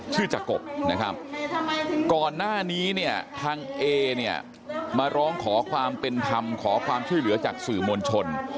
จากกบนะครับก่อนหน้านี้เนี่ยทางเอเนี่ยมาร้องขอความเป็นธรรมขอความช่วยเหลือจากสื่อมวลชน